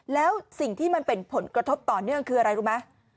แล้วสิ่งที่มันเป็นผลกระทบต่อเนื่องคืออะไรรู้ไหม